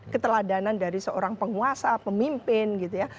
keteladanan dari seorang penguasa pemimpin gitu ya